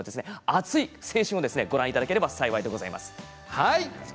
熱い青春をご覧いただければ幸いでございます。